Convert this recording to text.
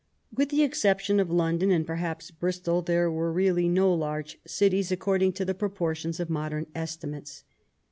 With the exception of London, and perhaps Bristol, there were really no large cities according to the pro portions of modem estimates.